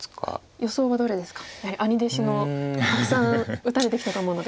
やはり兄弟子のたくさん打たれてきたと思うので。